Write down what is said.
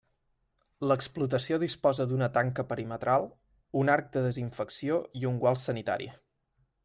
L'explotació disposa d'una tanca perimetral, un arc de desinfecció i un gual sanitari.